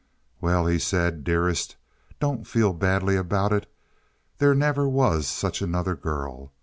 "Well," he said, "dearest, don't feel badly about it. There never was such another girl.